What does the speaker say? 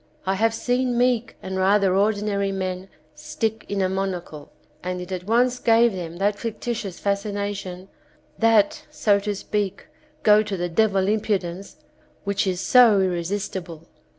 I have seen meek and rather ordinary men stick in a monocle, and it at once gave them that fictitious fascination, that, so to speak, go to the devil impudence which is so irresistible.